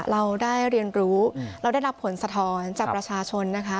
เราได้เรียนรู้เราได้รับผลสะท้อนจากประชาชนนะคะ